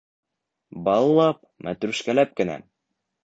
Баллап, мәтрүшкәләп кенә...